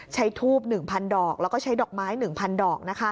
ใช้ทูป๑๐๐๐ดอกแล้วก็ใช้ดอกไม้๑๐๐๐ดอกนะคะ